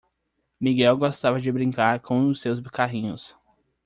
Miguel gostava de brincar com os seus carrinhos.